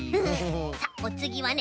さあおつぎはね